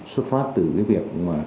xuất phát từ việc